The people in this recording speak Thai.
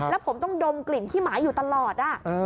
แล้วผมต้องดมกลิ่นขี้หมาอยู่ตลอด